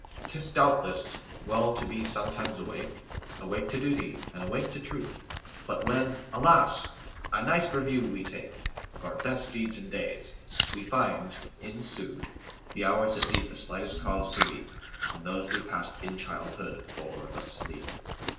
'T is, doubtless, well to be sometimes awake,—Awake to duty, and awake to truth,—But when, alas! a nice review we takeOf our best deeds and days, we find, in sooth, The hours that leave the slightest cause to weepAre those we passed in childhood or asleep!